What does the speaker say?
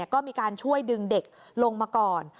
ก็มีการช่วยดึงเด็กลงมาก่อน